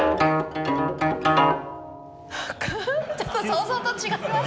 ちょっと想像と違いました。